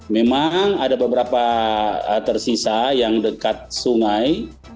memang ada beberapa tersisa yang dekat sungai